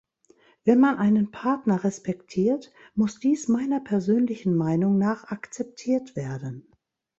Wenn man einen Partner respektiert, muss dies meiner persönlichen Meinung nach akzeptiert werden.